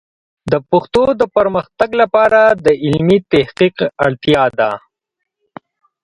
د پښتو د پرمختګ لپاره د علمي تحقیق اړتیا ده.